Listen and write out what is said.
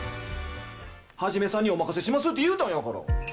ハジメさんにお任せしますって言うたんやから。